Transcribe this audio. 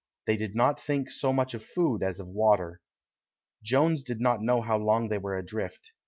They did not think so much of food as of water. Jones doesn't know how long they were adrift.